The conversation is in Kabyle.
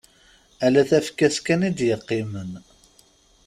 Ala tafekka-s kan i d-yeqqimen.